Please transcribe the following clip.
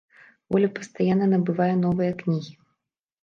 Воля пастаянна набывае новыя кнігі.